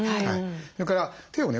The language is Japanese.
それから手をね